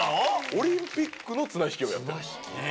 オリンピックの綱引きをやってる。